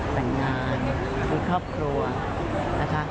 แต่งงานมีครอบครัวนะคะ